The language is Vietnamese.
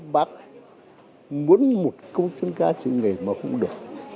bác muốn một công dân ca sứ nghệ mà cũng được